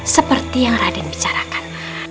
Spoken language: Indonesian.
seperti yang raden bicarakan